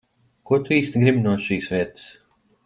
Ko tu īsti gribi no šīs vietas?